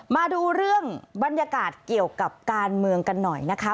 มาดูเรื่องบรรยากาศเกี่ยวกับการเมืองกันหน่อยนะคะ